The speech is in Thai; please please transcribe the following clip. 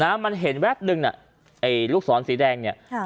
มันเห็นแว๊บหนึ่งลูกศรสีแดง